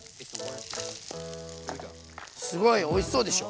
すごいおいしそうでしょ？